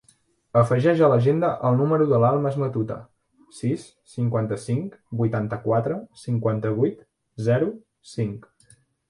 Afegeix a l'agenda el número de l'Almas Matute: sis, cinquanta-cinc, vuitanta-quatre, cinquanta-vuit, zero, cinc.